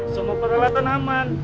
semua peralatan aman